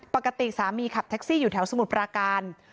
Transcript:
ปกติสามีขับแท็กซี่อยู่แถวสมุทรปราการ